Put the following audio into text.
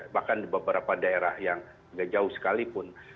bahkan di beberapa daerah yang agak jauh sekalipun